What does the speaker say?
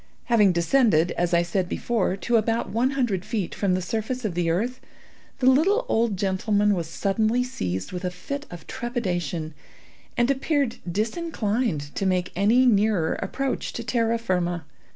Having descended, as I said before, to about one hundred feet from the surface of the earth, the little old gentleman was suddenly seized with a fit of trepidation, and appeared disinclined to make any nearer approach to terra firma.